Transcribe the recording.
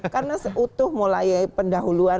karena seutuh mulai pendahuluan